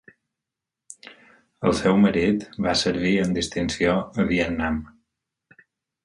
El seu marit va servir amb distinció a Vietnam.